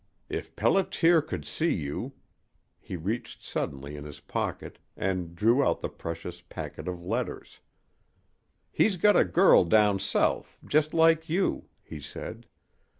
If Pelliter could see you " He reached suddenly in his pocket and drew out the precious packet of letters. "He's got a girl down south just like you," he said.